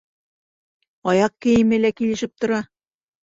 Аяҡ кейеме лә килешеп тора.